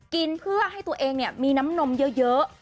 กินเพื่อให้ตัวเองมีน้ำนมเยอะ